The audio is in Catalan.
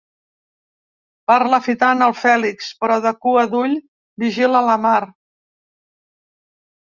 Parla fitant el Fèlix, però de cua d'ull vigila la Mar.